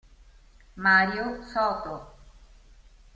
Mario Soto